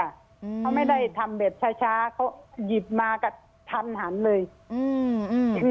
เขาไม่ได้ทำแบบช้าช้าเขาหยิบมากระทันหันเลยอืม